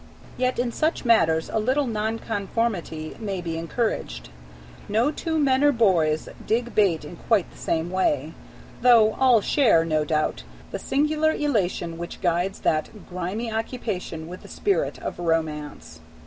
Yet in such matters a little nonconformity may be encouraged. No two men or boys dig bait in quite the same way, though all share, no doubt, the singular elation which gilds that grimy occupation with the spirit of romance.